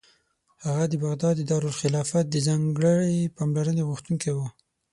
هغه د بغداد د دارالخلافت د ځانګړې پاملرنې غوښتونکی و.